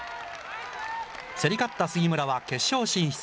競り勝った杉村は決勝進出。